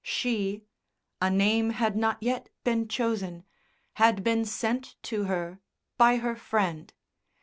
She a name had not yet been chosen had been sent to her by her friend....